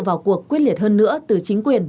vào cuộc quyết liệt hơn nữa từ chính quyền